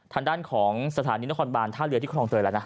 ทางด้านของสถานีนครบานท่าเรือที่คลองเตยแล้วนะ